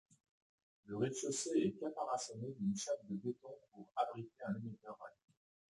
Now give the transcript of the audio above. Le rez-de-chaussée est caparaçonné d'une chape de béton pour abriter un émetteur radio.